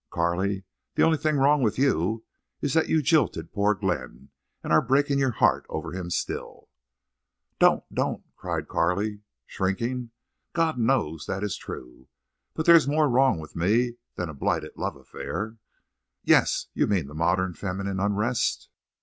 "Carley, the only thing wrong with you is that you jilted poor Glenn—and are breaking your heart over him still." "Don't—don't!" cried Carley, shrinking. "God knows that is true. But there's more wrong with me than a blighted love affair." "Yes, you mean the modern feminine unrest?"